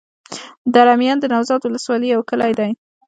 دره میان د نوزاد ولسوالي يو کلی دی.